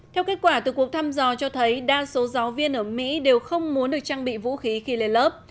theo kết quả từ cuộc thăm dò cho thấy đa số giáo viên ở mỹ đều không muốn được trang bị vũ khí khi lên lớp